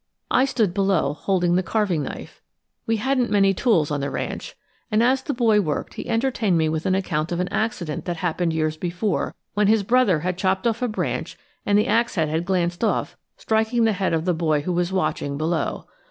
I stood below holding the carving knife, we hadn't many tools on the ranch, and as the boy worked he entertained me with an account of an accident that happened years before, when his brother had chopped off a branch and the axe head had glanced off, striking the head of the boy who was watching below.